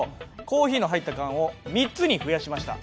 コーヒーの入った缶を３つに増やしました。